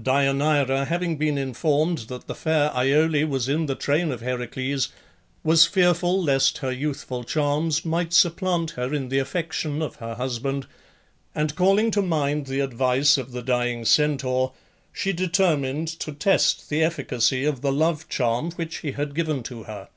Deianeira having been informed that the fair Iole was in the train of Heracles was fearful lest her youthful charms might supplant her in the affection of her husband, and calling to mind the advice of the dying Centaur, she determined to test the efficacy of the love charm which he had given to her.